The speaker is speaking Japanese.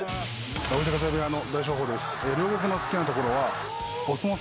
追手風部屋の大翔鵬です。